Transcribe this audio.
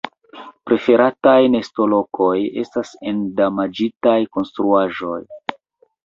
Preferataj nestolokoj estas en damaĝitaj konstruaĵoj.